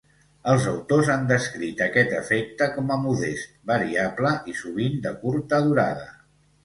Els autors han descrit aquest efecte com a modest, variable i sovint de curta durada.